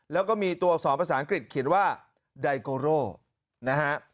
แล้วก็มีตัวสอนภาษาอังกฤษขีดว่าไดโกโรนะฮะ